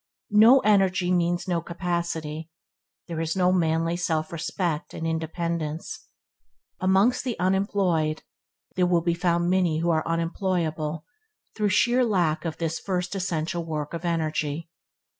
No energy means no capacity; there is no manly self respect and independence. Amongst the unemployed will be found many who are unemployable through sheer lack of this first essential of work energy.